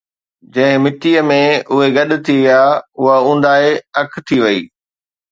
جنهن مٽيءَ ۾ اهي گڏ ٿي ويا، اُها اونداهي اک ٿي وئي